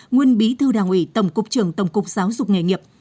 nguyên bí thư đảng ủy tổng cục trưởng tổng cục giáo dục nghề nghiệp